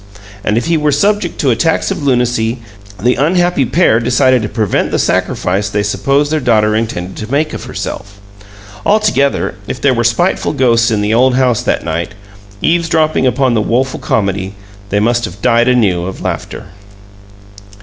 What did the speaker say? And if he were subject to attacks of lunacy, the unhappy pair decided to prevent the sacrifice they supposed their daughter intended to make of herself. Altogether, if there were spiteful ghosts in the old house that night, eavesdropping upon the woeful comedy, they must have died anew of laughter!